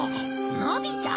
のび太？